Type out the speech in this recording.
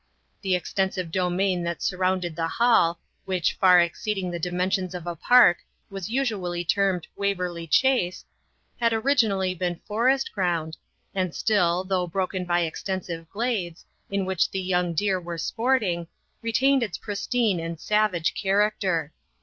The extensive domain that surrounded the Hall, which, far exceeding the dimensions of a park, was usually termed Waverley Chase, had originally been forest ground, and still, though broken by extensive glades, in which the young deer were sporting, retained its pristine and savage character.